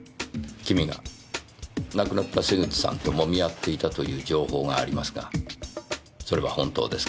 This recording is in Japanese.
君が亡くなった瀬口さんともみあっていたという情報がありますがそれは本当ですか？